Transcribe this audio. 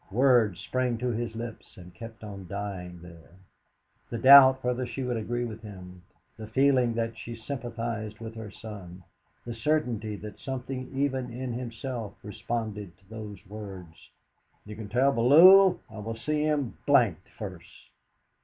Words sprang to his lips, and kept on dying there. The doubt whether she would agree with him, the feeling that she sympathised with her son, the certainty that something even in himself responded to those words: "You can tell Bellew I will see him d d first!"